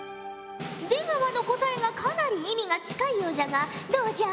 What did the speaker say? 出川の答えがかなり意味が近いようじゃがどうじゃ？